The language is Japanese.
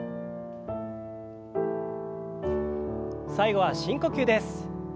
最後は深呼吸です。